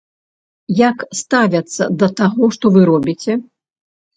Як ставяцца да таго, што вы робіце?